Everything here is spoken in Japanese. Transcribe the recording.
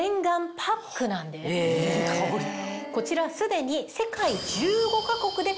こちらすでに。